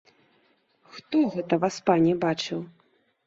Хто гэта, васпане, бачыў!